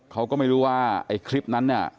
เขาก็ไม่รู้ว่าไอ้คลิปนั้นเนี่ย